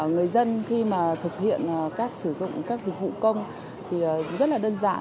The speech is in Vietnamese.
người dân khi mà thực hiện các sử dụng các dịch vụ công thì rất là đơn giản